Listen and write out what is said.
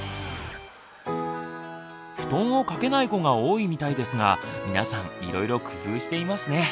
布団を掛けない子が多いみたいですが皆さんいろいろ工夫していますね。